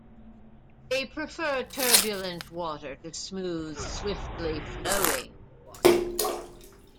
They prefer turbulent water to smooth, swiftly flowing water.